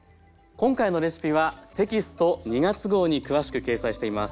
今回のレシピはテキスト２月号に詳しく掲載しています。